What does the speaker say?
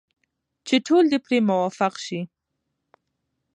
چې ټول دې پرې موافق شي.